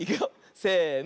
せの。